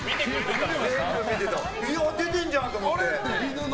出てんじゃん！と思って。